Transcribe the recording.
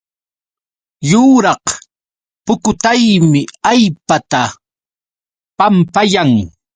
Yuraq pukutaymi allpata pampayan